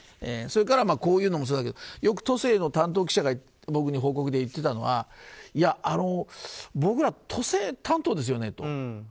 それからこういうのもそうだけどよく、都政の担当記者が僕に報告で言ってたのは僕ら、都政担当ですよねと。